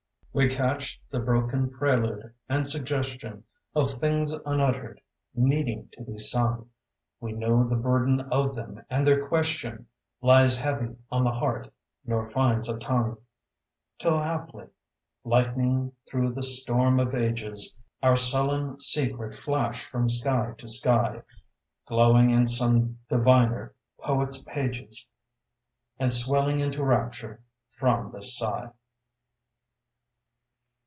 We catch the broken prelude and suggestion Of things unuttered, needing to be sung; We know the burden of them, and their question Lies heavy on the heart, nor finds a tongue. Till haply, lightning through the storm of ages, Our sullen secret flash from sky to sky, Glowing in some diviner poet's pages And swelling into rapture from this sigh.